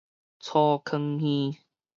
粗糠耳